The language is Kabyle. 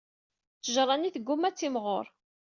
Ttejra-nni tegguma ad timɣur.